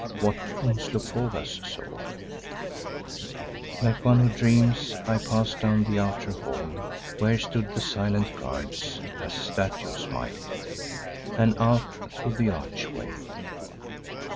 WHAT UMSLOPOGAAS SAW Like one who dreams I passed down the outer hall where stood the silent guards as statues might, and out through the archway.